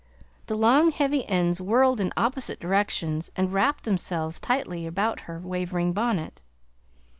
The long heavy ends whirled in opposite directions and wrapped themselves tightly about her wavering bonnet.